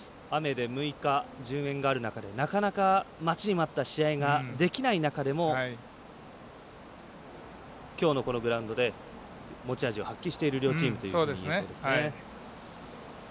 ６日間の順延でなかなか待ちに待った試合ができない中でもきょうのグラウンドで持ち味を発揮している両チームですね。